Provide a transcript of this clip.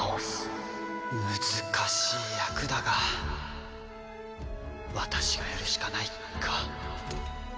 難しい役だが私がやるしかないか。